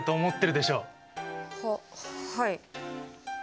ははい。